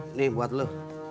ini buat lo